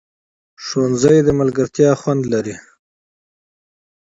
ښوونځی د ملګرتیا خوند لري